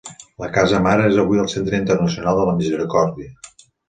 La casa mare és avui el Centre Internacional de la Misericòrdia.